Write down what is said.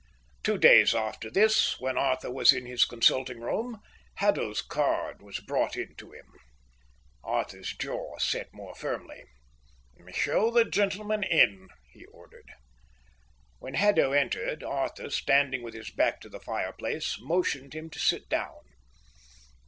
Two days after this, when Arthur was in his consultingroom, Haddo's card was brought to him. Arthur's jaw set more firmly. "Show the gentleman in," he ordered. When Haddo entered, Arthur, standing with his back to the fireplace, motioned him to sit down.